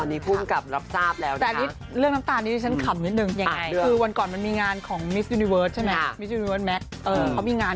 ดีขึ้นมากอะไรอย่างนี้ค่ะ